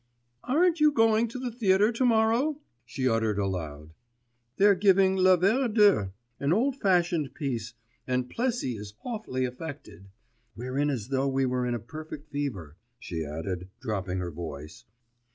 'Aren't you going to the theatre to morrow?' she uttered aloud. 'They're giving Le Verre d'Eau, an old fashioned piece, and Plessy is awfully affected.... We're as though we were in a perfect fever,' she added, dropping her voice.